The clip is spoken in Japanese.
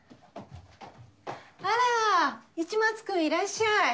あら市松君いらっしゃい。